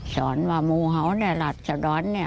สอนว่ามูเหาะในราชดรรมนี้